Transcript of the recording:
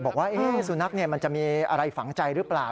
บอกว่าสุนัขมันจะมีอะไรฝังใจหรือเปล่า